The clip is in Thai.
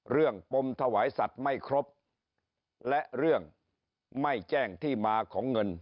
ปมถวายสัตว์ไม่ครบและเรื่องไม่แจ้งที่มาของเงิน